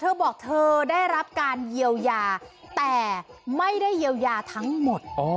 เธอบอกเธอได้รับการเยียวยาแต่ไม่ได้เยียวยาทั้งหมด